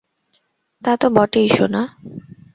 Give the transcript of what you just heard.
তা তো বটেই, সোনা।